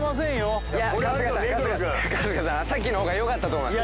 さっきの方がよかったと思います